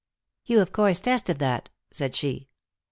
" You of course tested that," said she.